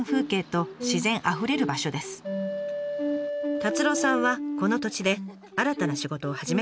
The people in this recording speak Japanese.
達朗さんはこの土地で新たな仕事を始めることにしました。